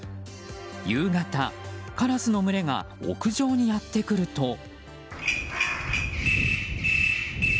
夕方、カラスの群れが屋上にやってくると。